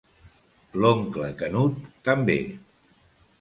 L'oncle Canut també.